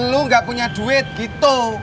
lu gak punya duit gitu